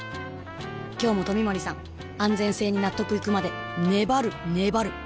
今日も冨森さん安全性に納得いくまで粘る粘る